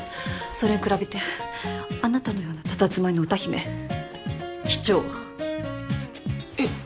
それに比べてあなたのようなたたずまいの歌姫貴重えっ？